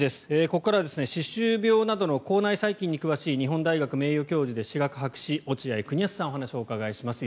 ここからは歯周病などの口内細菌に詳しい日本大学名誉教授で歯学博士落合邦康さんにお話をお伺いします。